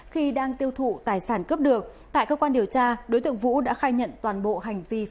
khi đang tiêu thụ tài sản cướp được tại cơ quan điều tra đối tượng vũ đã khai nhận toàn bộ hành vi phạm tội của mình